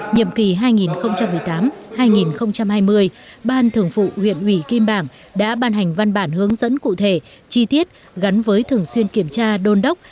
nhiệm kỳ hai nghìn một mươi tám hai nghìn hai mươi ban thường vụ huyện ủy kim bảng đã ban hành văn bản hướng dẫn cụ thể chi tiết gắn với thường xuyên kiểm tra đôn đốc